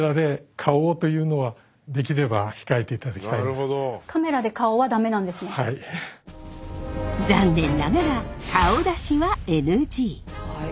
しかし。残念ながら顔出しはＮＧ。